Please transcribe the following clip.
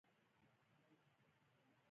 هغه هغې ته د نرم عطر ګلان ډالۍ هم کړل.